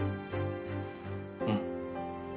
うん。